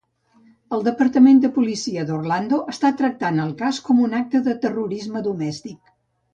El Departament de Policia d'Orlando està tractant el cas com un acte de terrorisme domèstic.